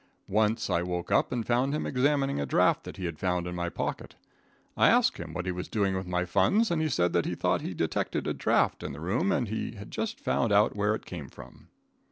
Once I woke up and found him examining a draft that he had found in my pocket. I asked him what he was doing with my funds, and he said that he thought he detected a draft in the room and he had just found out where it came from.